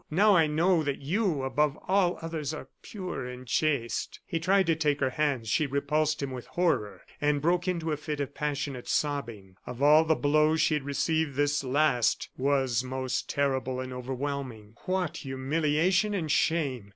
Now I know that you, above all others, are pure and chaste." He tried to take her hands; she repulsed him with horror; and broke into a fit of passionate sobbing. Of all the blows she had received this last was most terrible and overwhelming. What humiliation and shame